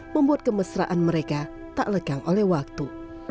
membuat kemesraan mereka tak lekang oleh waktu